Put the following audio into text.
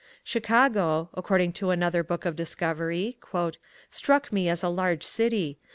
"Chicago," according to another book of discovery, "struck me as a large city.